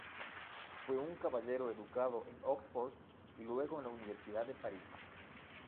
Fue un caballero educado en Oxford y luego en la Universidad de París.